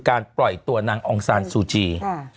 การปล่อยตัวนางองศาลซูจี